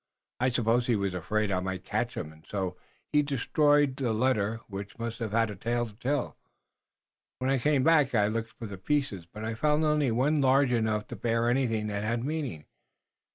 I suppose he was afraid I might catch him, and so he destroyed the letter which must have had a tale to tell. When I came back I looked for the pieces, but I found only one large enough to bear anything that had meaning."